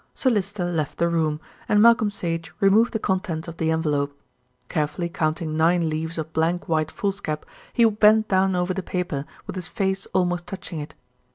Sir Lyster left the room, and Malcolm Sage removed the contents of the envelope. Carefully counting nine leaves of blank white foolscap, he bent down over the paper, with his face almost touching it.